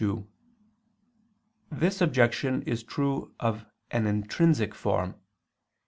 Reply Obj. 2: This objection is true of an intrinsic form.